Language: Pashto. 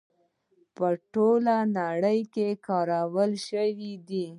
په ټوله نړۍ کې کارول شوې ده.